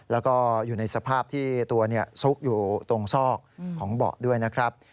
แล้วก็อยู่ในสภาพที่ตัวซุกอยู่ตรงซอกของเบาะด้วยนะครับ